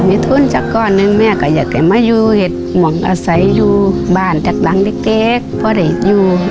ถ้ามีทุนจากก้อนหนึ่งแม่ก็อยากจะมาอยู่เห็นมองอาศัยอยู่บ้านจัดล้างเล็กเพราะเด็กอยู่